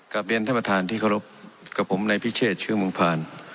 กับเรียนท่านประธานที่เคารพกับผมในพิเศษชื่อมุมพาล